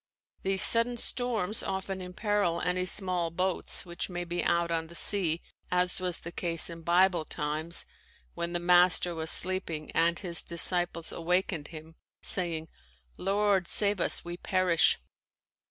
These sudden storms often imperil any small boats which may be out on the sea as was the case in Bible times when the Master was sleeping and his disciples awakened him, saying: "Lord, save us; we perish."